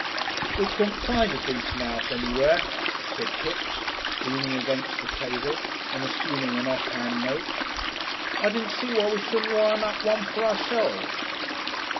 "We couldn't find a decent 'ouse anywhere," said Kipps, leaning against the table and assuming an offhand note. "I didn't see why we shouldn't run up one for ourselves."